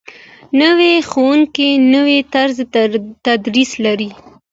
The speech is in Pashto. نوی ښوونکی نوی طرز تدریس لري